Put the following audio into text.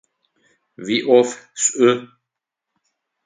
Уиӏоф шӏу!